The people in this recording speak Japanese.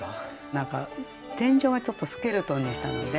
何か天井がちょっとスケルトンにしたので。